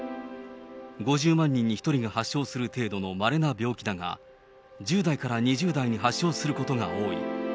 ５０万人に１人が発症する程度のまれな病気だが、１０代から２０代に発症することが多い。